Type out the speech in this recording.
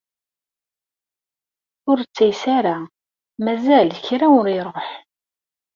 Ur ttayes ara, mazal kra ur iruḥ.